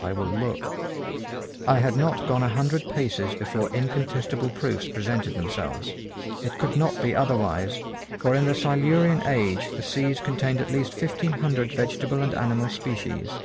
I will look. I had not gone a hundred paces before incontestable proofs presented themselves. It could not be otherwise, for in the Silurian age the seas contained at least fifteen hundred vegetable and animal species.